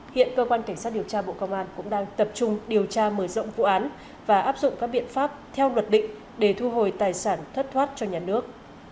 hiện cơ quan cảnh sát điều tra bộ công an cũng đang tập trung điều tra mở rộng vụ án và áp dụng các biện pháp theo luật định để thu hồi tài sản thất thoát cho nhà nước